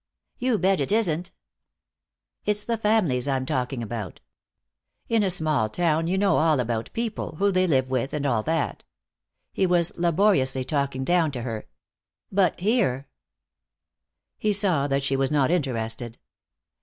"You bet it isn't." "It's the families I'm talking about. In a small town you know all about people, who they live with, and all that." He was laboriously talking down to her. "But here " He saw that she was not interested.